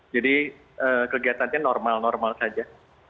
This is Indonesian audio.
jadi kegiatannya normal normal saja